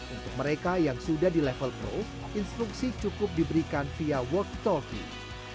untuk mereka yang sudah di level pro instruksi cukup diberikan via work toving